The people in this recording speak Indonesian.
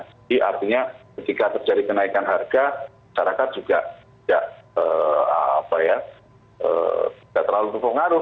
jadi artinya ketika terjadi kenaikan harga masyarakat juga tidak terlalu berpengaruh